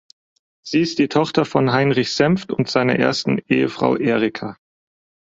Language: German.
Sie ist die Tochter von Heinrich Senfft und seiner ersten Ehefrau Erika.